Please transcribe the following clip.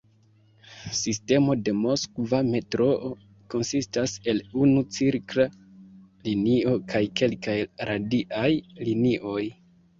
Sistemo de Moskva metroo konsistas el unu cirkla linio kaj kelkaj radiaj linioj.